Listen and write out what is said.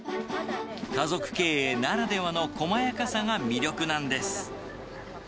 家族経営ならではの細やかさが魅力なんです。